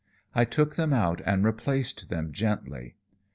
I took them out and replaced them gently.